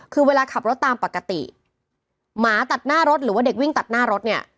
คือเวลาขับรถตามปกติหมาตัดหน้ารถหรือว่าเด็กวิ่งตัดหน้ารถเนี่ย